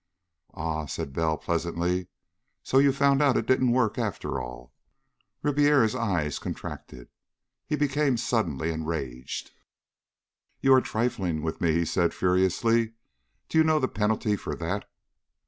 "Ah!" said Bell pleasantly. "So you found out it didn't work, after all!" Ribiera's eyes contracted. He became suddenly enraged. "You are trifling with me," he said furiously. "Do you know the penalty for that?"